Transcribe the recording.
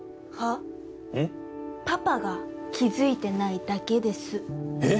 パパが気付いてないだけですえっ